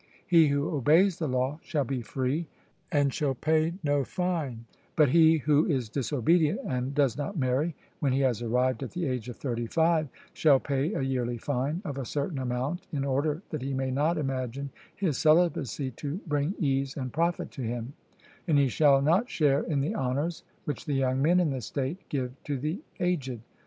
He who obeys the law shall be free, and shall pay no fine; but he who is disobedient, and does not marry, when he has arrived at the age of thirty five, shall pay a yearly fine of a certain amount, in order that he may not imagine his celibacy to bring ease and profit to him; and he shall not share in the honours which the young men in the state give to the aged.